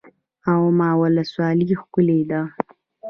واما ولسوالۍ ښکلې ده؟